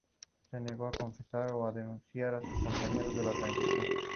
Se negó a confesar o a denunciar a sus compañeros de la Organización.